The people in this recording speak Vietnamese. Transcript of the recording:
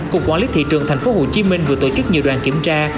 cục quản lý thị trường tp hcm vừa tổ chức nhiều đoàn kiểm tra